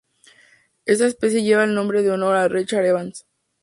Esta especie lleva el nombre en honor a Richard Evans.